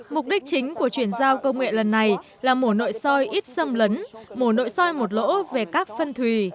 mục đích chính của chuyển giao công nghệ lần này là mổ nội soi ít xâm lấn mổ nội soi một lỗ về các phân thùy